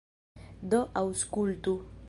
Do aŭskultu.